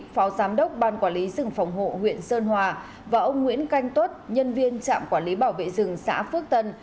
phó giám đốc ban quản lý rừng phòng hộ huyện sơn hòa và ông nguyễn canh tuốt nhân viên trạm quản lý bảo vệ rừng xã phước tân